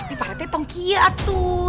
tapi pak rt tongkiat tuh